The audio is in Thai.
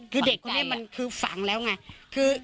คือเด็กคนนี้มันคือฝังแล้วไง